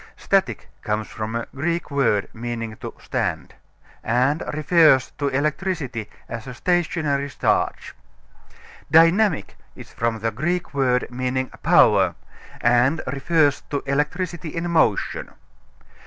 Static comes from a Greek word, meaning to stand, and refers to electricity as a stationary charge. Dynamic is from the Greek word meaning power, and refers to electricity in motion.